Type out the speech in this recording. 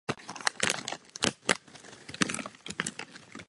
Byl byste ochoten přehodnotit své rozhodnutí?